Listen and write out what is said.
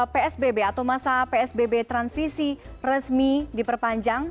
psbb atau masa psbb transisi resmi diperpanjang